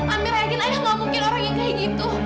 amira yakin ayah nggak mungkin orang yang kayak gitu